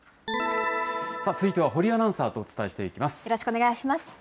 続いては堀アナウンサーとお伝えしていきます。